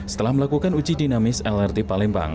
setelah melakukan uji dinamis lrt palembang